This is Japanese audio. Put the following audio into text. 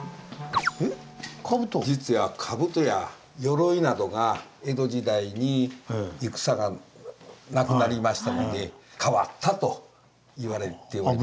実はかぶとやよろいなどが江戸時代に戦がなくなりましたのでかわったと言われております。